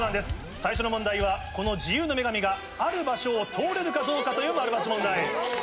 最初の問題はこの自由の女神がある場所を通れるかどうかという○×問題。